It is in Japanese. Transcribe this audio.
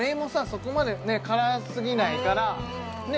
そこまでね辛すぎないからね